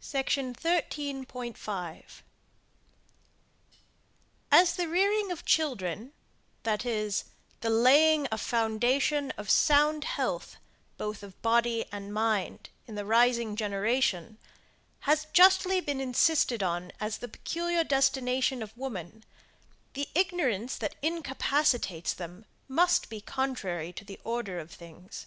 SECTION 13.5. As the rearing of children, that is, the laying a foundation of sound health both of body and mind in the rising generation, has justly been insisted on as the peculiar destination of woman, the ignorance that incapacitates them must be contrary to the order of things.